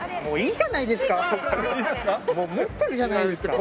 もう持ってるじゃないですか！